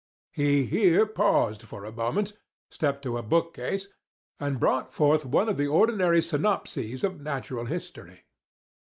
He here paused for a moment, stepped to a book case, and brought forth one of the ordinary synopses of Natural History.